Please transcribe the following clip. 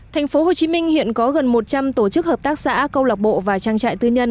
thành phố hồ chí minh hiện có gần một trăm linh tổ chức hợp tác xã câu lọc bộ và trang trại tư nhân